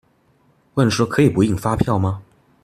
問說可以不印發票嗎？